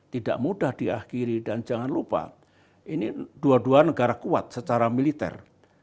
tidak mudah diakhiri dan jangan lupa ini dua dua negara kuat secara militer